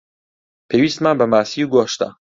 پێویستمان بە ماسی و گۆشتە.